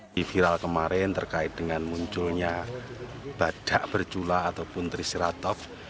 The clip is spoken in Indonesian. di viral kemarin terkait dengan munculnya badak bercula ataupun trisiratov